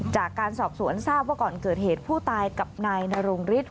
จากการสอบสวนทราบว่าก่อนเกิดเหตุผู้ตายกับนายนรงฤทธิ